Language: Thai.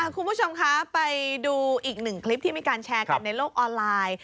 คุณผู้ชมคะไปดูอีกหนึ่งคลิปที่มีการแชร์กันในโลกออนไลน์